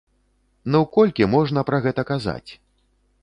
Ну колькі можна пра гэта казаць.